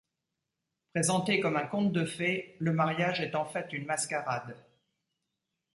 Présenté comme un conte de fée, le mariage est en fait une mascarade.